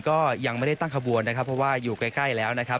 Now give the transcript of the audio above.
ก็ยังไม่ได้ตั้งขบวนนะครับเพราะว่าอยู่ใกล้แล้วนะครับ